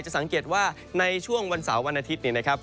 สังเกตว่าในช่วงวันเสาร์วันอาทิตย์เนี่ยนะครับ